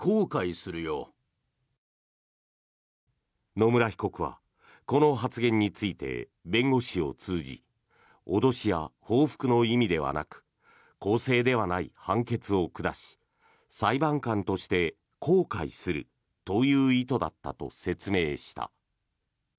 野村被告はこの発言について弁護士を通じ脅しや報復の意味ではなく公正ではない判決を下し裁判官として後悔するという意図だったと説明した。